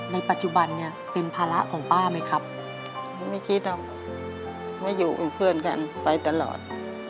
ในปัจจุบันเนี่ยเป็นภาระของป้าไหมครับ